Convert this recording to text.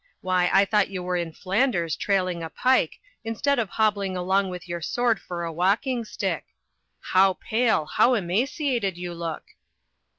Why, I thought you were in Flanders trailing a pike, instead of hobbling along with your sword for a walking stick. How pale—how emaciated you look!"